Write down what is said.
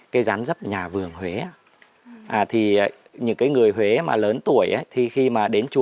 cái gián dấp nhà vườn huế